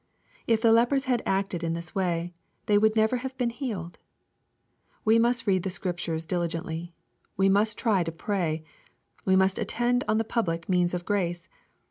If the lepers had acted in this way, they would never have been healed. We must read the Scriptures diligently. We must try to pray. We must attend on the public means of grace.